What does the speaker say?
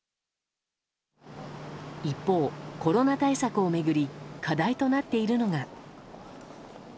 一方、コロナ対策を巡り課題となっているのが。